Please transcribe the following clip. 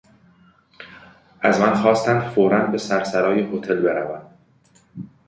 از من خواستند فورا به سرسرای هتل بروم.